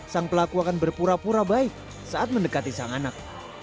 sang pelaku akan berpura pura baik saat mendekati sang anak